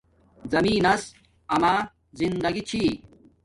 زمین نس اما زنداگی چھی